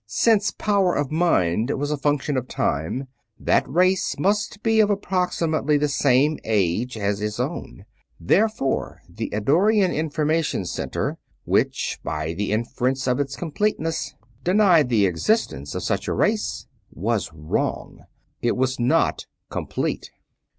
Since power of mind was a function of time, that race must be of approximately the same age as his own. Therefore the Eddorian Information Center, which by the inference of its completeness denied the existence of such a race, was wrong. It was not complete.